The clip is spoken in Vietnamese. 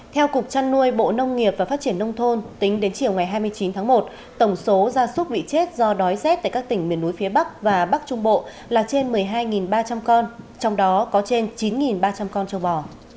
theo cục trăn nuôi bộ nông nghiệp và phát triển nông thôn tính đến chiều ngày hai mươi chín tháng một tổng số gia súc bị chết do đói rét tại các tỉnh miền núi phía bắc và bắc trung bộ là trên một mươi hai ba trăm linh con trong đó có trên chín ba trăm linh con châu bò